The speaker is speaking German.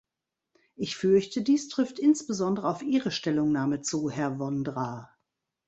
Ich fürchte, dies trifft insbesondere auf Ihre Stellungnahme zu, Herr Vondra.